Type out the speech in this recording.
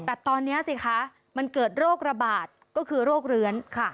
แต่ตอนนี้สิคะมันเกิดโรคระบาดก็คือโรคเลื้อน